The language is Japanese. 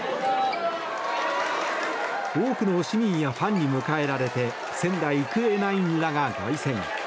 多くの市民やファンに迎えられて仙台育英ナインらが凱旋。